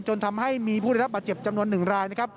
จนทำให้มีผู้ได้รับบาดเจ็บจำนวน๑รายนะครับ